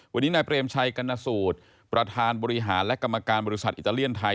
วันนี้นายเปรมชัยกรณสูตรประธานบริหารและกรรมการบริษัทอิตาเลียนไทย